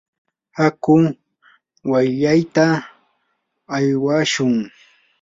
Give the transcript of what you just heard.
aku wayllayta aywashun.